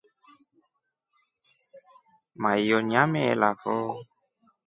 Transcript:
Maiyo nyameelafo.